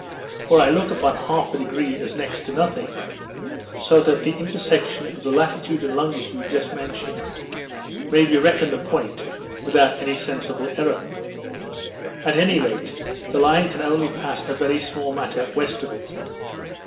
For I look upon half a degree as next to nothing; so that the intersection of the latitude and longitude just mentioned, may be reckoned the point without any sensible error. At any rate, the Line can only pass a very small matter west of it.